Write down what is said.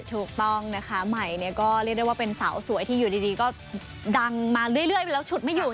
ถูกต้องนะคะใหม่เนี่ยก็เรียกได้ว่าเป็นสาวสวยที่อยู่ดีก็ดังมาเรื่อยไปแล้วฉุดไม่อยู่